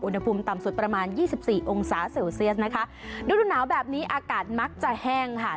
อุณหภูมิต่ำสุดประมาณยี่สิบสี่องศาเซลเซียสนะคะฤดูหนาวแบบนี้อากาศมักจะแห้งค่ะ